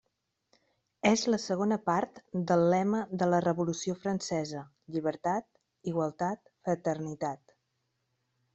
És la segona part del lema de la revolució francesa: llibertat, igualtat, fraternitat.